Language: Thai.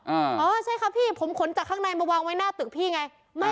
อ๋อใช่ครับพี่ผมขนจากข้างในมาวางไว้หน้าตึกพี่ไง